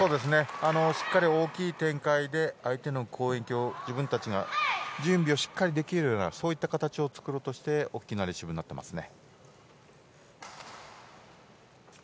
しっかり大きい展開で相手の攻撃を自分たちが準備をしっかりできる形を作ろうとして大きなレシーブになってますね。